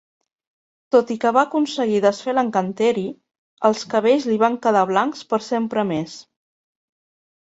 Tot i que va aconseguir desfer l'encanteri, els cabells li van quedar blancs per sempre més.